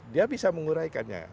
dia bisa menguraikannya